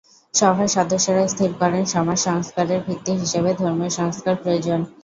সভার সদস্যরা স্থির করেন সমাজ সংস্কারের ভিত্তি হিসেবে ধর্মীয় সংস্কার প্রয়োজন।